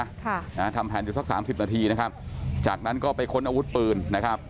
ค่ะนะฮะทำแผนอยู่สักสามสิบนาทีนะครับจากนั้นก็ไปค้นอาวุธปืนนะครับ